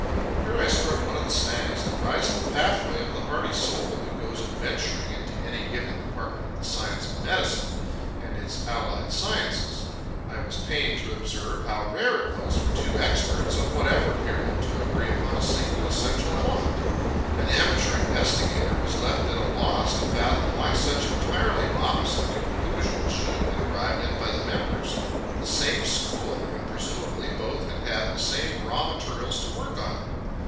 Here I struck one of the snags that rise in the pathway of the hardy soul who goes adventuring into any given department of the science of medicine and its allied sciences. I was pained to observe how rare it was for two experts, of whatsoever period, to agree upon a single essential element. An amateur investigator was left at a loss to fathom why such entirely opposite conclusions should have been arrived at by the members of the same school when presumably both had had the same raw materials to work on.